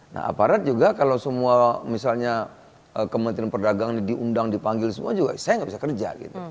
nah aparat juga kalau semua misalnya kementerian perdagangan diundang dipanggil semua juga saya nggak bisa kerja gitu